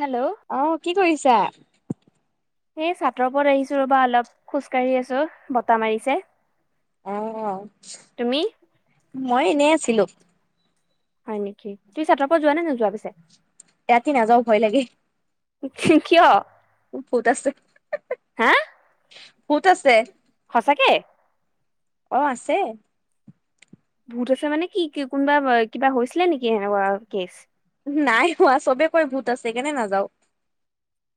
Hello? অ', কি কৰিছা? স, চাটৰ ওপৰত আহিছো ৰ'বা অলপ খোজ কাঢ়ি আছো বতাহ মাৰিছে। অ', তুমি মই এনেই আছিলো। হয় নেকি তুমি চাতাটৰ পৰা যোৱা নে নো যোৱা পিছে? ৰাতি নাযাও ভয় লাগে। কিয়? ভুত আছে হা ভুত আছে। সঁচাকে? অ', আছে। ভূত আছে মানে, কি কোনোবা কিবা হৈছিলে নেকি সেনেকুৱা কেচ? নাই হোৱা চবেকৈ ভোত আছে কেনে নাযাও।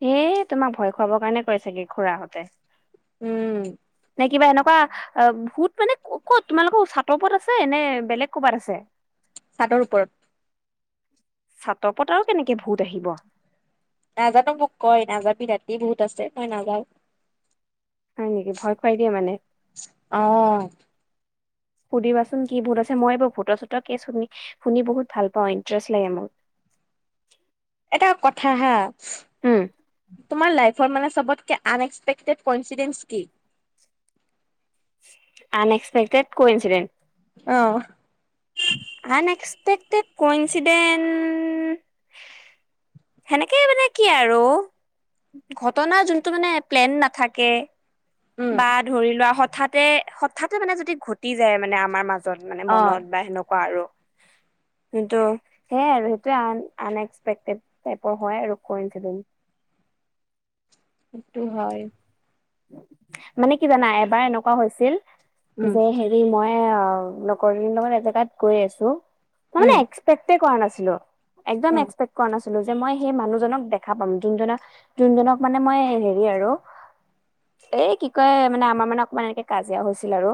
এ, তোমাক ভয় খুৱাবৰ কাৰণে কয় চাগে খুৰাহঁতে। উম। নে কিবা এনেকুৱা অ', ভুত মানে ক'ত তোমালোকৰ চাটৰওপৰত আছে নে বেলেগ ক'ৰবাত আছে? ছাটৰ ওপৰত। ছাতৰ ওপৰত আৰু কেনেকে ভূত আহিব? নাজানো মোক কয় নাযাবি ৰাতি বহুত আছে মই নাযাও। হয়, নেকি ভয় খুৱাই দিয়ে মানে। অ [inaudible] সুধিবাচোন কি ভূত আছে মই এইবোৰ ভূতৰ চোতৰ কেচ শুনি শুনি বহুত ভাল পাওঁ ইণ্টাৰেষ্ট লাগে মোৰ। এটা কথা হা উম তোমাৰ লাইফৰ মানে চবতকে আনএ্সপেক্টেড ক' ইঞ্চিদেঞ্চ কি? আনএক্সপেক্তেদ ক' ইঞ্চিডেঞ্চ? অ'। আন একক্সপেকটেড ক' ইচিডেণ্ট সেনেকেই মানে কি আৰু ঘটনাৰ যোনটো মানে প্লেন নাথাকে। উম বা ধৰি লোৱা হঠাতে হঠাতে মানে যদি ঘটি যায় মানে আমাৰ মাজত মানে অ মনত বা সেনেকুৱা আৰু কিন্তু সেইয়াই আৰু সেইটোয়ে আন আন এক্সপেক্টেড টাইপৰ হয় আৰু কৰিছিলম। সেইটো হয়। মানে কি জানা এবাৰ এনেকুৱা হৈছিল উম যে মই অ', লগৰীৰ লগত এজেগাত গৈ আছো মই উম মানে এক্সপেক্টে কৰা নাছিলো একদম উম এক্সেপেক কোৱা নাছিলো যে, মই সেই মানুহজনক দেখা পাম, যুনজনক, যোনজনক মানে মই হেৰি আৰু এ কি কয় মানে আমাৰ মানে অকমান এনেকে কাজিয়া হৈছিল আৰু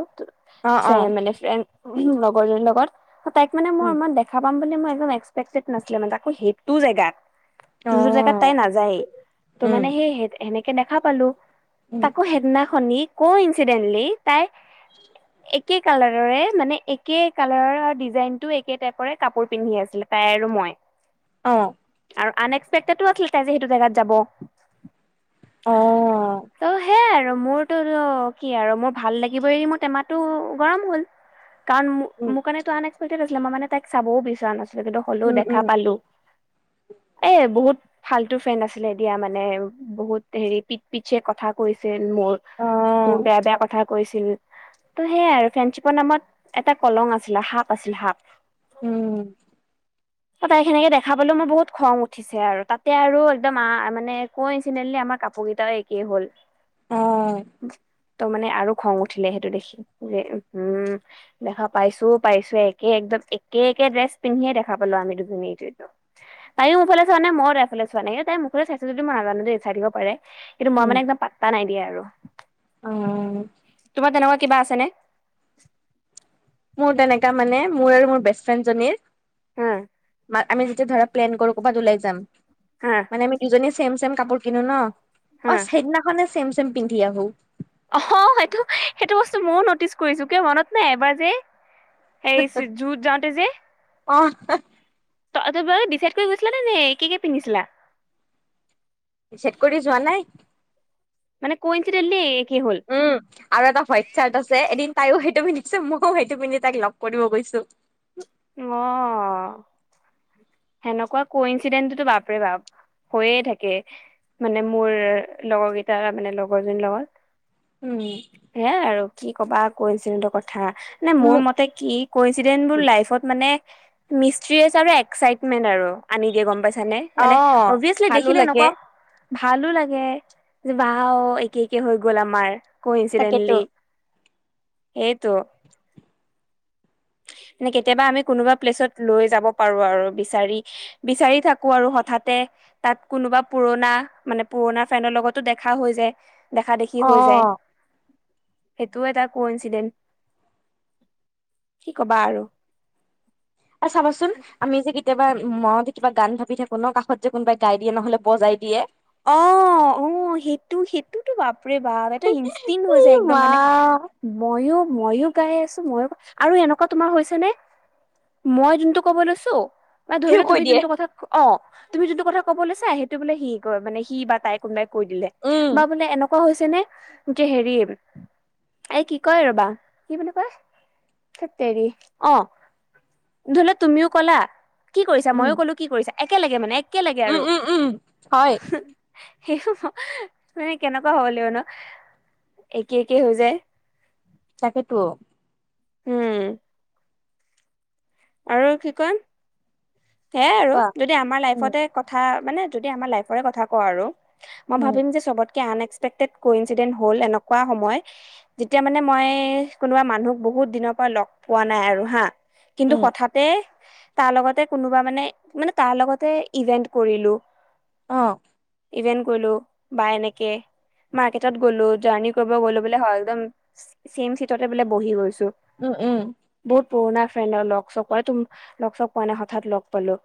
অ অ ফণ মানে ফ্ৰেইণ্ড, ওহোঁ লগৰ জনীৰ লগত তাইক মানে মই উম ইমান দেখ দেখা পাম বুলি মই একদম এক্সপেক্টেড নাছিলে মানে, তাকো সেইটো জেগাত। অ যোনটো জেগাত তাই নাযায়েই, ত উম মানে সেই সেনেকে দেখা পালো উম তাকো সেইদিনাখন নি ক-ইনঞ্চিডেন্টলি তাই [inaudible] একে কালাৰৰে মানে, একে কালাৰৰ ডিজাইনটো একে টাইপৰে কাপোৰ পিন্ধি আছিলে, তাই আৰু মই। অ' আৰু আন-এক্সপেক্টেডো আছিলে তাই যে, সেইটো জেগাত যাব। অহ' অ' সেয়াই আৰু মোৰটো নো কি আৰু মোৰ ভাল লাগিব এৰি, মোৰ টেমাটো গৰম হ'ল। [inaudible] কাৰণ মোৰ, উম মোৰ কাৰণে টো আন এক্সপেকটেড আছিলে, মই মানে তাইক চাবও বিচৰা না কিন্তু হ'লেও উম দেখা উম পালো। এ বহুত ফাল্তু ফ্ৰেণ্ড আছিলে দিয়া মানে, বহুত হেৰি পিক পিক চে কথা কৰিছিল মোৰ, অ মোৰ বেয়া বেয়া কথা কৈছিল। ত' সেয়াই আৰু ফ্ৰেণ্শ্বিপৰ নামত এটা কলং আছিলে, সাপ আছিল সাপ। উম তহ তাইক সেনেকে দেখা পালোঁ, মোৰ বহুত খং উঠি চে আৰু তাতে আৰু একদম আ মানে ক-ইঞ্চিদেণ্টলী আমাৰ কাপোৰ কেইটাও এক কি হ'ল? অ ত' মানে আৰু খং উঠিলে, সেইটো দেখি যে হে উম, উম। দেখা পাইছোও পাইছো, একে একদম একে-একে ড্ৰেছ পিন্ধিয়ে দেখা পালো আমি দুজনীটো। তাইও মোৰ ফালে চোৱা নাই, মই তাইফালে চোৱা নাই, কিন্তু তাই মোৰফালে চাইছে যদি মই নাজানো দেই, চাই থাকিব পাৰে। কিন্তু মই উম মানে একদম পাত্তা নাই দিয়া আৰু অ তোমাৰ তেনেকুৱা কিবা আছেনে? মোৰ তেনেকা মানে, মোৰ আৰু মোৰ বেষ্ট ফ্ৰেণ্ডজনীৰ উম বা আমি যেতিয়া ধৰা প্লেন কৰো, ক'বাত লাই যাম। উম মানে আমি দুজনীয়ে চেম, চেম কাপোৰ কিনো ন, হা অ' সেইদিনাখনে চেম, চেম পিন্ধি আহো। অ'হ' সেইটো, সেইটো বস্তু মইও নটিচ কৰিছো, কিয় মনত নাই এবাৰ যে, এই যুত যাওঁতে যে। অ তই তোমালোকে ডিচাইড কৰি গৈছিলা নে? নে কি কি পিন্ধিছিলা। চেট কৰি দি যোৱা নাই। মানে ক-ইঞ্চিদেণ্টলি একে হ'ল। উম আৰু এটা হোৱাইট চাৰ্ট আছে এদিন তাইও সেইটো পিন্ধিছে, মইও সেইটো পিন্ধি তাইক লগ কৰিব গৈছো। অ' সেনেকুৱা ক-ইঞ্চিডেণ্টতো বাপৰে বাপ হৈয়ে থাকে। মানে মোৰ লগৰ কেইটাৰ মানে লগৰ জনীৰ লগত উম হেয়াই আৰু কি ক'বা ক-ইনচিডেণ্ট ৰ কথা, নে মোৰ মোক মতে কি ক-ইনচিডেণ্ট বোৰ লাইফত নে মিস্ত্ৰী হিচাপে একাইটমেন্ট আৰু, আনি দিয়ে গম পাইছানে। অ মানে অবভিয়াছলী ভালো দেখিলে লাগে এনেকুৱা ভালো লাগে যে, ৱাহ ও একে একে হৈ গ'ল আমাৰ। তাকেতো ক-ইনচিডেণ্টলী এইটো। [unintelligible] মানে, কেতিয়াবা আমি কোনোবা প্লেচত লৈ যাব পাৰো আৰু বিচাৰি বিচাৰি থাকো আৰু হঠাতে। তাত কোনোবা পুৰণা, মানে পুৰণা ফ্ৰেইণ্ড ৰ লগতো দেখা হৈ যায়। দেখা-দেখি হৈ যায়। অ সেইটোও এটা ক-ইনঞ্চিডেণ্ট। কি কবা আৰু অ', চাবাচোন আমি যে কেতিয়াবা মতে, কিবা গান ভাবি থাকো ন কাষত যে কোনোবাই গাই দিয়ে নহলে বজাই দিয়ে অ', সেইটো সেইটোতো বাপ বাপৰে বাপ এটা ইনষ্টিণ্ট হৈ ই যায় একদম মা মানে ময়ো ময়ো গাই আছো, ময়ো আৰু এনেকুৱা তোমাৰ হৈছে নে মই যোনটো ক'ব লৈছো মান ধৰি সিও লোৱা কৈ তুমি দিয়ে যোনটো কথা অ', ুমি যোনটো কথা ক'বলৈ চা সেইটো বোলে সি ক মানে সি বা তাই কোনবাই কৈ দিলে উম বা বোলে এনেকুৱা হৈছে নে যে হেৰি এই কি কয় ৰবা, কি বুলি কয়ৰ অ', ধৰিলেও তুমিও ক'লা, কি কৰিছা উম ময়ো ক'লো কি কৰিছা, একে লগে মানে একেল লগে উম আৰু উম, উম, হয় সেই মানে, কেনেকুৱা হব লাগিব ন একে একে হৈ যায় তাকেইতো উম, আৰু কি কম সেয়াই আৰু কোৱা যদি আমাৰ উম লাইফতে উম [unintelligible] আন এক্সপেক্টেড ইডেট হল এনেকুৱা সময় যেতিয়া মানে মই কোনোবা মানুহক বহুত দিনৰ পৰা লগ পোৱা নাই আৰু হা কিন্তু উম হঠাতে তাৰ লগতে কোনোবা মানে মানে তাৰ লগতে ইভেন্ট কৰিলো অ', ইভেন্ট গলো বা এনেকে মাৰ্কেটত গ'লো জাৰ্ণি কৰিব গ'লো, বোলে একদম চছেম চিটতে বোলে বহি গৈছো উম, উম, বহুত পুৰণা ফ্ৰেড লগ চ ত লগচক পোৱা নাই হঠাৎ লগ পালো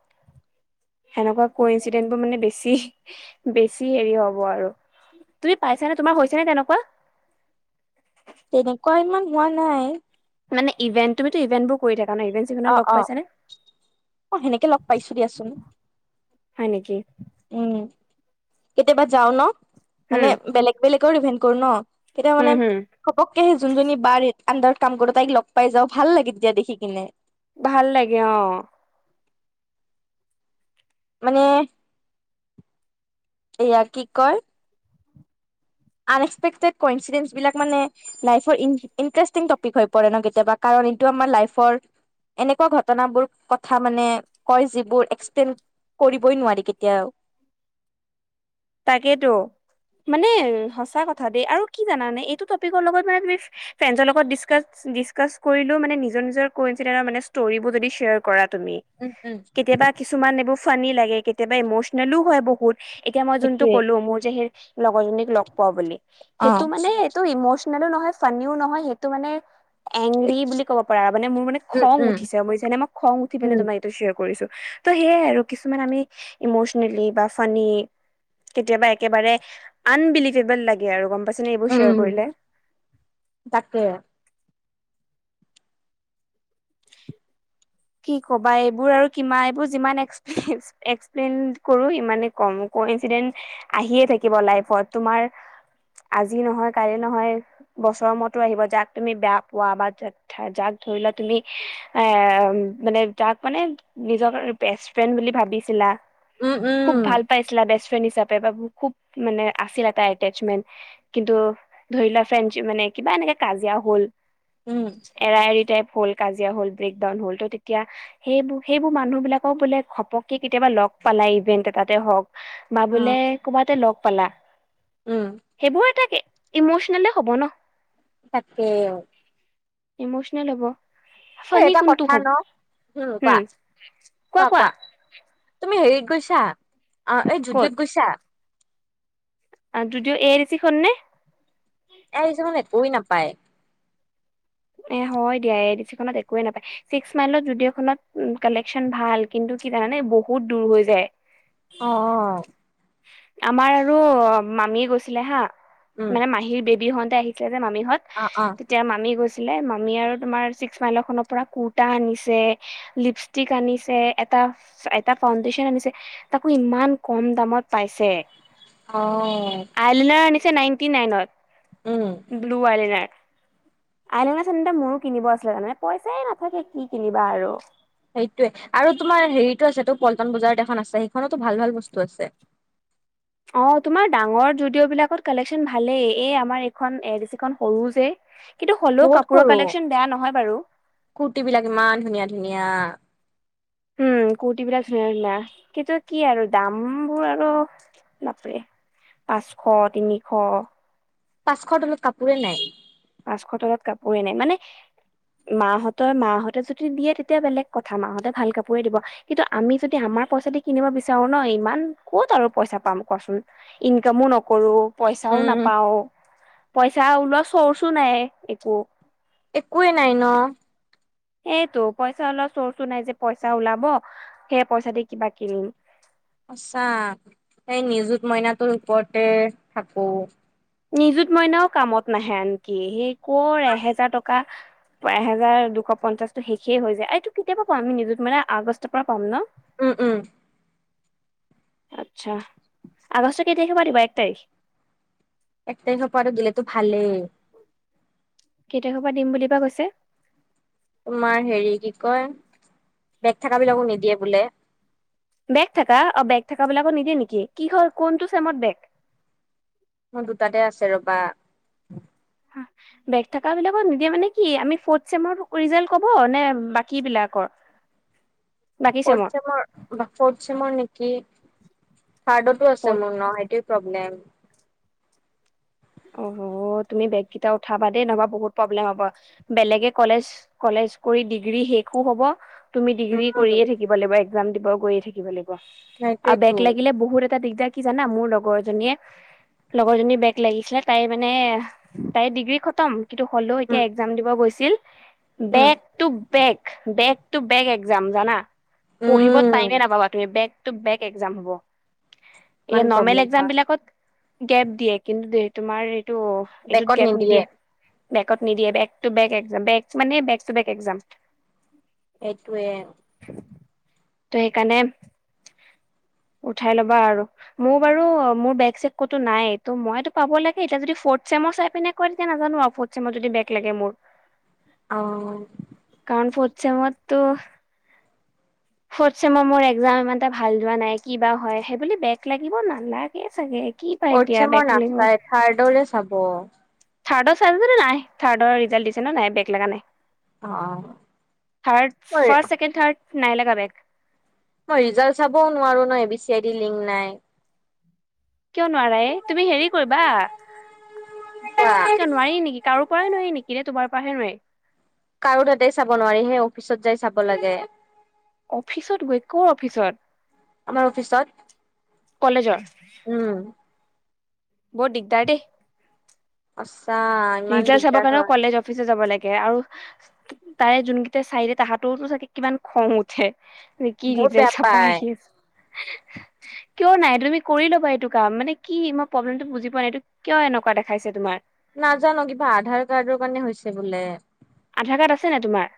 সেনেকুৱা কৈ ইনঞ্চিডেণ্ট বোৰ মানে বেছি বেছি হেৰি হব আৰু তুমি পাইছ নে, তোমাৰ হৈছে নে তেনেকুৱা তেনেকুৱা ইমান হোৱা নাই মানেভন্ তুম ইভন্বোৰ কৰি থাকা নভে অ, 'অ', অ', সেনেকে লগ পাইছো দিয়াচোন হয় নেকি? উম, কেতিয়াবা যাও ন মানে, হুম বেলেগ বেলেগৰ ইভেন্ট কৰো ন কেতিয়া মানে হুম হুম হপককেহি যোনজনী বাৰ আণ্ডাৰত কাম কৰো তাইক লগ পাই যাওঁ, ভাল লাগে দিয়া দেখি কিনে ভাল লাগে অ', মানে এয়া কি কয় আন এক্সপেকটেড কৈ ইঞ্চিডেন্টবাক মানে লাইৰ ইটাৰেষ্টিং টপিক হৈ পৰে ন কেতিয়াবা কাৰণ, এইটো আমাৰ লাইফৰ এনেকুৱা ঘটনাবোৰ কথা মানে, কয় যিবোৰ এক্সপ্লেন কৰিবই নোৱাৰি কেতিয়াও তাকেতো মানে, সচা কথা দেই আৰু কি জানানে এইটো টপিকৰ লগত মানে ফ্ৰেণ্ডৰ লগত ডিচকাচ ডিচকাছ কৰিলও মানে, নিজৰ নিজৰ কঞ্চি মে ষ্টৰিবোৰ যদি শ্বেয় কৰা তুমি উম উম কেতিয়াবা কিছুমান এইবোৰ ফানি লাগে, কেতিয়াবা ইমচনেলো হয় বহুত মই যোনটো সেইটোৱে ক'লো মোৰ যে সেই লগৰজনীক লগ পোৱা বুলি অ সেইটো মানে টো ইমচনেলো নহয়, ফানিও নহয়, সেইটো মানে এংৰি বুলি ক'ব পাৰা মানে, মোৰ মানে উম খং উম উঠিছে ম যেনে মই খং উঠি পিনে উম তোমাৰ কৰিছো ত সেয় আৰু কিছুমান আমি ইমচনেলি বা ফ কেতিয়াবা একেবাৰে আনবিলিভেবল লাগে আৰু গম পাইছেনে এইবোৰ শ্বেয়াৰ উম কৰিলে। তাকে। [inaudible] কি ক'বা এইবোৰ আৰু কিমানা এইবোৰ যিমান এক্সপজ এক্সপ্লেইন কৰো ইমানে কম কনচিডেন্ট আহিয়ে থাকিব লাইফত তোমাৰ। আজি নহয়, কালি নহয় বছৰ মুৰতো আহিব যাক তুমি বেয়া পোৱা বা য-যাক ধৰি লোৱা তুমি এ, মানে যাক মানে নিজৰ বেষ্ট ফ্ৰেণ্ড বুলি ভাবিছিলা। উম খুব উম ভাল পাইছিলা বেষ্ট ফ্ৰেণ্ড হিচাপে বা খুব মানে আছিলে তাৰ এটেচমেণ্ট। কিন্তু ধৰি লোৱা ফ্ৰেঞ্চ মানে কিবা এনেকে কাজিয়া হ'ল। উম এৰা এৰি তাই হ'ল কাজিয়া হ'ল ব্ৰেকডাউন হ'ল ত তেতিয়া সেইবোৰ, সেইবোৰ মানুহ বিলাকও বোলে ঘপকে কেতিয়াবা লগ পালাই ইভেন্ট এটাতে হওক। কিবা অ বোলে কবাতে লগ পালা উম সেইবোৰ এটা ইমচনেলে হ'ব ন। তাকে। ইমোচনেল হ'ব। এই ফানী এটা কোনটো কথা হ'ব ন উম, কোৱা, কোৱা, কোৱা। তুমি হেৰিত গৈছা অ, এই ক'ত জুডীয়ত গৈছা? আৰু জুডীয়ৰ এ ই চি খননে। এয়া হিচাপত একোৱেই নাপায়। এ হয় দিয়া এক দি চি খনত একোৱে নাপায়। ছিক্স মাইলত যুদিঅ' খনত কালেকচন ভাল কিন্তু কি জানানে বহুত দূৰ হৈ যায়। অ', অ'। আমাৰ আৰু মামী গৈছিলে হা উম মানে মাহীৰ বেবী হত আহি এতিয়া যে মামিহত অ', অ'। যেতিয়া মামী গৈছিলে মামী আৰু তোমাৰ ছিক্স মাইলখনৰ পৰা কুৰ্তা আনিছে। লিপষ্টিক আনিছে, এটা, এটা ফাউণ্ডেচন আনিছে। তাকো ইমান কম দামত পাইছে। অ'। আইলিনাৰ আনিছে নাইনটি উম নাইনত ব্লু আইলিনাৰ আইলনা, চাইলিনা মোৰো কিনিব আছিলে তাৰমানে পইচাই নাথাকে কি কিনিবা আৰু। সেইটোয়েটো আৰু তোমাৰ হেৰিটো আছেতোপল্টন বজাৰত এখন আছে সেইখনতো ভাল, ভাল বস্তু আছে। অ, তোমাৰ ডাঙৰ যদিঅ' বিলাকত কালেকচনত ভালেই এই আমাৰ এইখন এ দি চি খন সৰু যে কিন্তু হ'লেও কাপোৰৰ কালেকচন বেয়া নহয় বাৰু। কুুতি বিলাক ইমান ধুনীয়া, ধুনীয়া। উম, কুৰ্তি বিলাক ধুনীয়া, ধুনীয়া কিন্তু কি আৰু দামবোৰ আৰু বাপৰে পাচশৰ, তিনিশ পাচশৰ তলত কাপোৰে নাই। পাচশৰ তলত কাপোৰে নাই মানে। মা হতৰ মা হতে যদি দিয়ে তেতিয়া বেলেগ কথা মা হতে ভাল কাপোৰে দিব। কিন্তু আমি যদি আমাৰ পইচা দি কিনিব বিচাৰো ন ইমান ক'ত আৰু পইচা পাম কোৱাচোন। ইনকামো নকৰো। পইচাও উম নাপাও, পইচা ওলোৱা চৰ্চো নাই একো। একোৱেই নাই ন। সেইটো পইচা ওলোৱা চৰ্চো নাই যে পইচা ওলাব সেই পইচাতে কিবা কিনিম। সচা এই নিযুত মইনাটোৰ ওপৰতে থাকো। নিজুত মইনাও কামত নাহে আনকি সি কৰ এহেজাৰ টকা এহেজাৰ দুশ পঞ্চাশ টো শেষেই হৈ যায় এইটো কেতিয়া পৰা পাম আমি নিজত মানে আগষ্টৰ পৰা পাম ন উম উম আচ্ছা আগষ্ট কেই তাৰিখৰ পৰা দিব এক তাৰিখ এক তাৰিখৰ পৰাটো দিলে তো ভালে কেই তাৰিখৰ পৰা দিম বুলি বা কৈছে তোমাৰ হেৰি কি কয় বেগ থকা বিলাকো নিদিয়ে বোলে বেগ থাকা অ বেগ থাকা বিলাকক নিদেয়ে নেকি কি হয় কোনটো চেমত বেগ মোৰ দুটাতে আছে ৰবা হা বেগ থাকা বিলাকত নিদিয়ে মানে কি আমি ফত চেমত ৰিজালট কব নে বাকী বিলাকৰ [inaudible] বাকী ফ চেমৰ চৰ নেকি থ্ডতো আছে ফৰ্থ মোৰ নটো প্ৰব্লেম অ তুমি বেগ কটা উঠাবা দেই নহা বহুতব্লে কলেজ কৰি ডিগ্ৰী শেষো হব তুমি ডিগ্ৰী উম কৰিয়ে থাকিব লাগিব একজাম দিব গৈয়ে থাকিব লাগিব আৰু সেইটোৱেতো বেগ লাগিলে বহুত এটা দিগদাৰ কি জানা মোৰ লগৰজনীয়ে লগৰজনী বেগ লাগি আছিলে তাই মানে তাই ডিগ্ৰী খতম কিন্তু হ'লেও উম এতিয়া একজাম দিব গৈছিল উম বেগ ট বেগ বেগ ট বেগ একজাম জানা পঢ়িব উম, টাইমে নাপাবা তুমি বেগ বেগ একজাম হ'ব ইমান এয়া নৰ্মেল প্ৰব্লেম একজাম হয়, বিলাকত গেপ দিয়ে কিন্তু তোমাৰ এইটো এইটোত গেপ নিদিয়ে বেকত নিদিয়ে বেক ট বেকে মানে বেক ট বেক এক্ এইেইটোৱে ত সেইকাৰণে উঠাই ল'বা আৰু মোৰ বাৰু মোৰ বেগ চেগ ক'তো নাই তো মইতো পাব লাগে এতিয়া যদি ফৰ্থ চেমৰ চাই পনেয় তেতিয়া নাজানো আৰু ফথ চেম য বেগ লাগে মোৰ অ কাৰণ পছে মত তো [inaudible] ফৰ্থ চেমৰ মোৰ এক্জাম ইমান এটা ভাল যোৱা নাই কিবা হয় সেইব বেগ লাগিব নালাগে চাগে কি পাই ফৰ্থ এতিয়া চেমৰ বেকুলঙৰ নাচাই থাৰ্ডলে চাব থাৰ্ডৰ চাই নাই থাৰ্ড ৰিজাল্ট দিছে নাই বেগ লগা নাই অ'। থাৰ্ড মই ফাৰ ছেকেণ্ড থাৰ্ড নাই লগা বেগ মই ৰিজাল্ট চাবও নোৱাৰো ন A B C I D link নাই কিয় নোৱাৰাই তুমি হেৰি কৰিবা কিয় নোৱাৰি নেকি কাৰ প পৰা নি নেকি তোমাৰ পৰাাহে নোৱি কাৰো তাতে চাব নোৱাৰি সেই অফিচত যাই চাব লাগে অফিচত গৈ ক অফিচত আমাৰ অফিচত কলেজৰ উম বহত ডিগদাে আ্ছা ইমান দিগদাৰ হয় অফিচ যাব লাগে আৰু তাৰে যোনকেইট চাই দে তাহাঁতৰতো চাগে কিমান খং উঠে কি বহুত ৰীতে বেয়া চপাই পায়। আহ আছ [inaudible] কিয় নাই তুমি কৰি ল'বা এইটো কাম মানে কি মই প্ৰব্লেমতটো বুজি পোৱা নাই এইটো কিয় এনেকুৱা দেখাইছে তোমাৰ নাজান কিবা আধাৰ কাৰ্ডৰ কাৰণে হৈছে বোলে আধাৰ কাৰ্ড আছেনে তোমাৰ